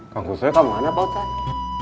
kau nguset kamu mana pak ustadz